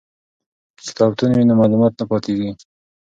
که کتابتون وي نو معلومات نه پاتیږي.